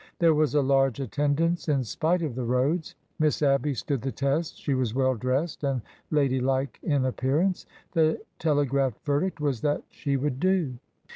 There was a large attendance in spite of the roads. Miss Abby stood the test. She was well dressed and ladylike in appearance. The telegraphed verdict was that she would do.